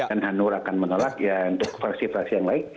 dan hanura akan menolak yang untuk versi versi yang lain